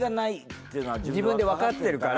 自分でわかってるから。